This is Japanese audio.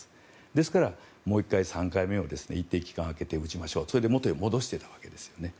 ですからもう１回、３回目を一定期間空けて打ちましょうそれで元に戻していたわけですよね。